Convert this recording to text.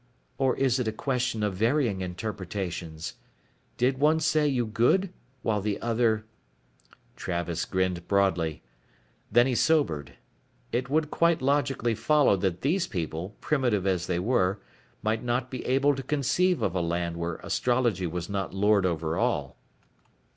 Or is it a question of varying interpretations? Did one say you good while the other " Travis grinned broadly. Then he sobered. It would quite logically follow that these people, primitive as they were, might not be able to conceive of a land where astrology was not Lord over all.